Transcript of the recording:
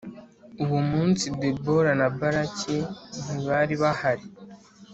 Uwo munsi Debora na Baraki ntibaribahari.